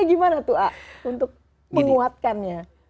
bagaimana untuk menguatkannya